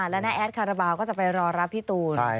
และน้าแอดคาราบาลก็จะไปรอรับพี่ตูน